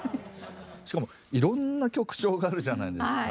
しかもいろんな曲調があるじゃないですか。